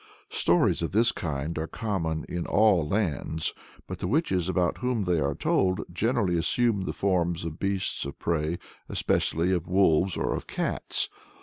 Stories of this kind are common in all lands, but the witches about whom they are told generally assume the forms of beasts of prey, especially of wolves, or of cats.